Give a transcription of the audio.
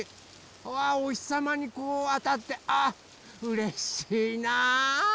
うわおひさまにこうあたってあうれしいな。